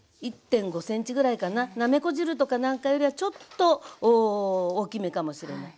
１．５ｃｍぐらいかななめこ汁とかなんかよりはちょっと大きめかもしれない。